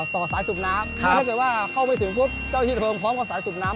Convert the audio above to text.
ต่อสายสูบน้ำถ้าเกิดว่าเข้าไปถึงปุ๊บเจ้าที่เทิงพร้อมกับสายสูบน้ำ